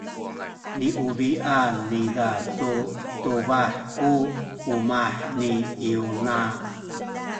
niubi’an niza tu tubah ku umah ni Yona.